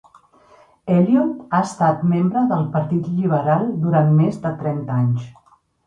Elliott ha estat membre del partit lliberal durant més de trenta anys.